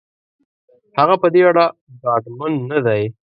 هغه په دې اړه ډاډمن نه دی.